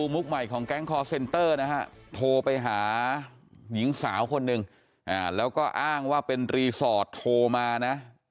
ใหม่ของแก๊งคอร์เซ็นเตอร์นะฮะโทรไปหาหญิงสาวคนหนึ่งแล้วก็อ้างว่าเป็นรีสอร์ทโทรมานะ